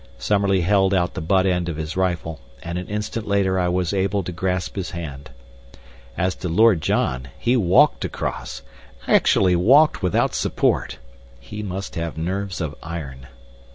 Summerlee held out the butt end of his rifle, and an instant later I was able to grasp his hand. As to Lord John, he walked across actually walked without support! He must have nerves of iron.